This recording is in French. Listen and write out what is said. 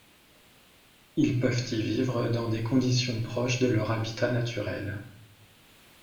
Ils peuvent y vivre dans des conditions proches de leur habitat naturel.